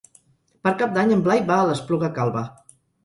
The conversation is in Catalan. Per Cap d'Any en Blai va a l'Espluga Calba.